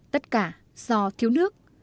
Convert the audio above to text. tất cả do thiếu nước